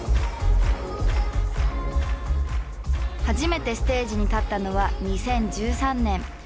初めてステージに立ったのは２０１３年。